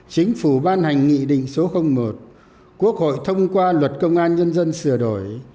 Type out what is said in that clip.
chính phủ ban hành nghị định số một quốc hội thông qua luật công an nhân dân sửa đổi